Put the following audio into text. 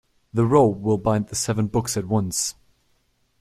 The rope will bind the seven books at once.